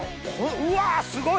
うわすごい！